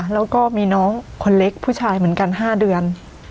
แล้วก็มีน้องคนเล็กผู้ชายเหมือนกัน๕เดือน